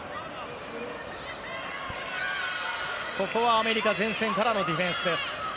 アメリカ前線からのディフェンスです。